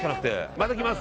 また来ます。